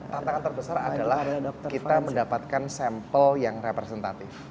tantangan terbesar adalah kita mendapatkan sampel yang representatif